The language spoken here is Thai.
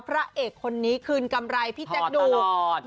พระเอกคนนี้คืนกำไรพี่แจ๊คดู